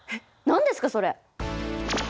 何ですかそれ？